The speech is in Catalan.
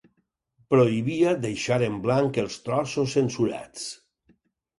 Prohibia deixar en blanc els trossos censurats